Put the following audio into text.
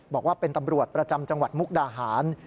บอกว่าเป็นตำรวจประจำจังหวัดมุกดาหาร